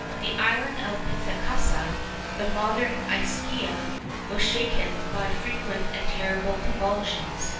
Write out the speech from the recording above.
The island of Pithecusa (the modern Ischia) was shaken by frequent and terrible convulsions.